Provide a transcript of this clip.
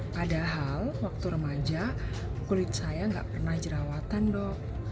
padahal waktu remaja kulit saya nggak pernah jerawatan dok